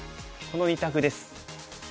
この２択です。